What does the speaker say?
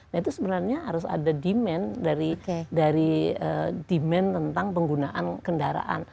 nah itu sebenarnya harus ada demand dari demand tentang penggunaan kendaraan